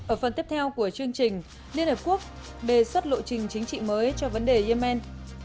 ở phần tiếp theo của chương trình liên hợp quốc đề xuất lộ trình chính trị mới cho vấn đề yemen